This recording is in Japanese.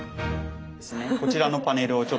こちらのパネルをちょっと見て頂いて。